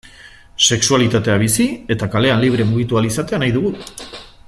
Sexualitatea bizi eta kalean libre mugitu ahal izatea nahi dugu.